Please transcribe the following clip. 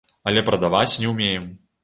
Але прадаваць не ўмеем.